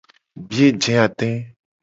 Biye je ade.